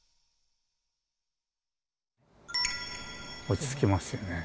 落ち着きますよね。